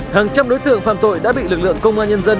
hàng trăm đối tượng phạm tội đã bị lực lượng công an nhân dân